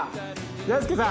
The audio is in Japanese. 大輔さん。